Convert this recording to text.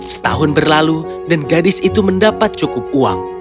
setahun berlalu dan gadis itu mendapat cukup uang